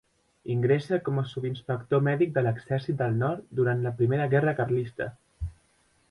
Ingressa com a subinspector mèdic de l'Exèrcit del nord durant la primera guerra carlista.